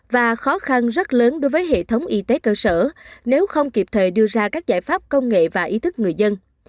và khó khăn rất lớn đối với hệ thống y tế cơ sở nếu không kịp thời đưa ra các giải pháp công nghệ và ý thức người dân